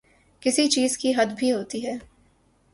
کسی چیز کی حد بھی ہوتی ہے۔